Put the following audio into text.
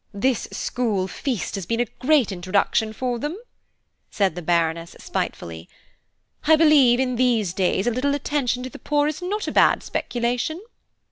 This school feast has been a great introduction for them," said the Baroness spitefully. "I believe, in these days, a little attention to the poor is not a bad speculation."